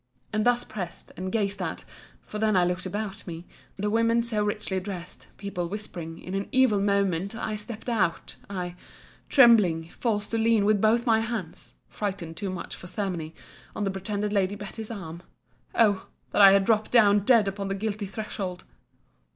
And thus pressed, and gazed at, (for then I looked about me,) the women so richly dressed, people whispering; in an evil moment, out stepped I, trembling, forced to lean with both my hands (frighted too much for ceremony) on the pretended Lady Betty's arm—Oh! that I had dropped down dead upon the guilty threshold!